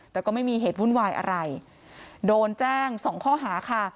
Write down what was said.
แต่ก็ไม่มีเหตุวุ่นวายอะไรโดนแจ้งสองข้อหาค่ะ